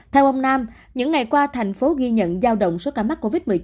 theo ông nam những ngày qua thành phố ghi nhận giao động số ca mắc covid một mươi chín